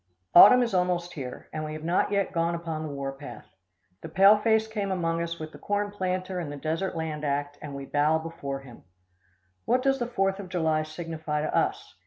Autumn is almost here, and we have not yet gone upon the war path. The pale face came among us with the corn planter and the Desert Land Act, and we bow before him. What does the Fourth of July signify to us?